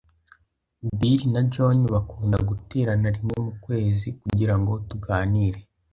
Bill na John bakunda guterana rimwe mu kwezi kugirango tuganire.